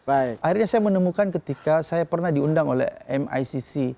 akhirnya saya menemukan ketika saya pernah diundang oleh micc